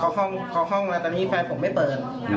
เขาห้องแล้วตอนนี้แฟนผมไม่เปิด